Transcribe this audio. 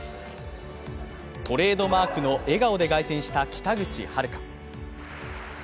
トレードマークの笑顔で凱旋した北口榛花。